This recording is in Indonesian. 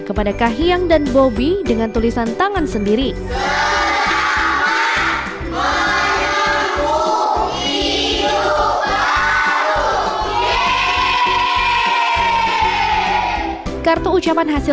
kepada kahiyang dan bobi selamat menempuh hidup baru semoga bahagia